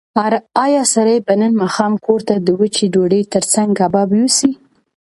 ایا سړی به نن ماښام کور ته د وچې ډوډۍ تر څنګ کباب یوسي؟